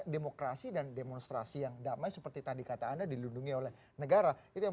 demokrasi dan demonstrasi yang damai seperti tadi kata anda dilindungi oleh negara itu yang